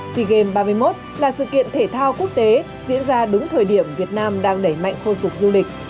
sea games ba mươi một là sự kiện thể thao quốc tế diễn ra đúng thời điểm việt nam đang đẩy mạnh khôi phục du lịch